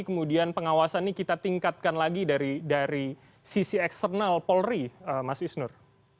kemudian pengawasan ini kita tingkatkan lagi dari sisi eksternal polri mas isnur